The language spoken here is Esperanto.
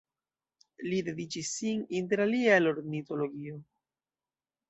Li dediĉis sin inter alie al ornitologio.